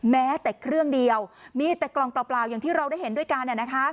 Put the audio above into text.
แม้แต่เครื่องเดียวมีแต่กล่องเปล่าอย่างที่เราได้เห็นด้วยกัน